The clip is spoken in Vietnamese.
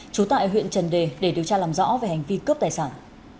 trú tại huyện trần đề để điều tra làm rõ về hành vi cướp tài sản